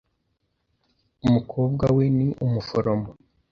Umukobwa we ni umuforomo.